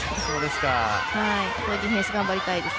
ディフェンス頑張りたいですね。